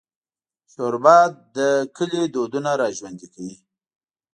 شربت د کلي دودونه راژوندي کوي